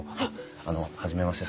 あの初めまして。